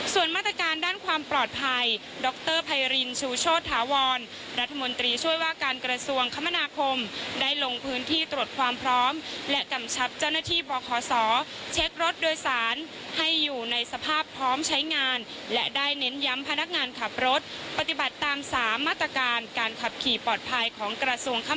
ส่วนมาตรการด้านความปลอดภัยดรไพรินชูโชธาวรรัฐมนตรีช่วยว่าการกระทรวงคมนาคมได้ลงพื้นที่ตรวจความพร้อมและกำชับเจ้าหน้าที่บคศเช็ครถโดยสารให้อยู่ในสภาพพร้อมใช้งานและได้เน้นย้ำพนักงานขับรถปฏิบัติตาม๓มาตรการการขับขี่ปลอดภัยของกระทรวงค